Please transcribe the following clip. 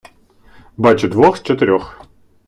Бачу двох з чотирьох.